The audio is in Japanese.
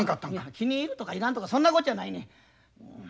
気に入るとか入らんとかそんなこっちゃないねん。